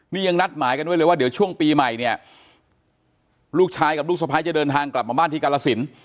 นี่ยังนัดหมายกันไว้เลยว่าเดี๋ยวช่วงปีใหม่เนี่ยลูกชายกับลูกสะพ้ายจะเดินทางกลับมาบ้านที่กาลสิน